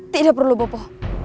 tidak perlu bopo